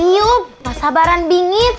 yuk mas sabaran bingit